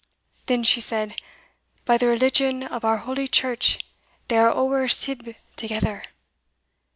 Then she said, By the religion of our holy Church they are ower sibb thegither.